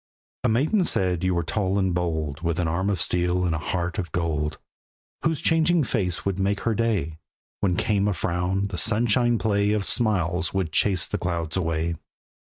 A maiden said you were tall and bold, With an arm of steel and a heart of gold; Whose changing face would make her day; When came a frown, the sunshine play Of smiles would chase the clouds away.